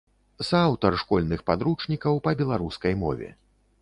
Сааўтар школьных падручнікаў па беларускай мове.